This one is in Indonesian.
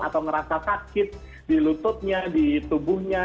atau ngerasa sakit di lututnya di tubuhnya